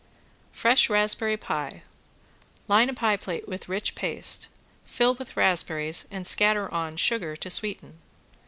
~FRESH RASPBERRY PIE~ Line a pie plate with rich paste, fill with raspberries and scatter on sugar to sweeten.